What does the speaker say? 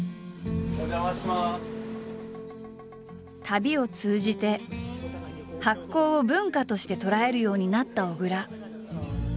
旅を通じて発酵を文化として捉えるようになった小倉。